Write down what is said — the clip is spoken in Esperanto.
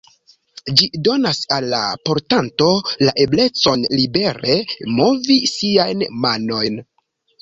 Ĝi donas al la portanto la eblecon libere movi siajn manojn.